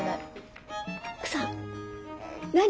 奥さん何？